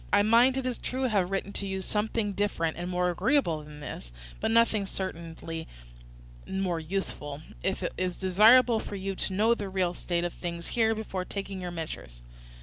"I might, it is true, have written to you something different and more agreeable than this, but nothing certainly more useful, if it is desirable for you to know the real state of things here before taking your measures.